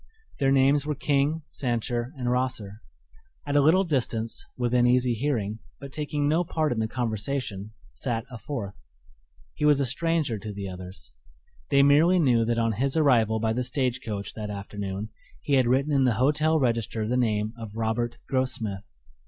Their names were King, Sancher, and Rosser. At a little distance, within easy hearing, but taking no part in the conversation, sat a fourth. He was a stranger to the others. They merely knew that on his arrival by the stage coach that afternoon he had written in the hotel register the name of Robert Grossmith.